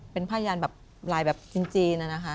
เป็นผ้ายานแบบลายแบบจีนนะคะ